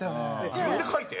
自分で書いて？